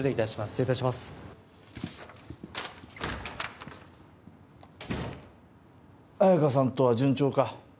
失礼いたします綾華さんとは順調か？